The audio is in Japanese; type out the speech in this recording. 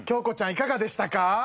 いかがでしたか？